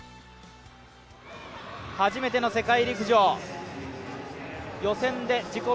初めての世界陸上、予選で自己